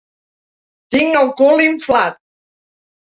Tinc el cul inflat.